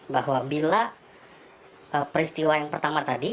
bahwa bila peristiwa yang pertama tadi